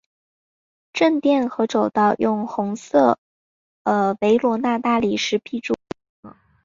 正殿和走道用红色维罗纳大理石壁柱分隔。